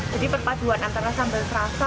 jadi perpaduan antara sambal serasa